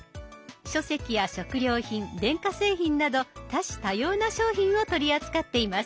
書籍や食料品電化製品など多種多様な商品を取り扱っています。